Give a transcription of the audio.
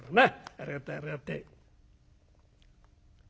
ありがてえありがてえ」。